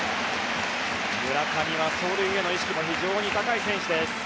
村上は走塁への意識も非常に高い選手です。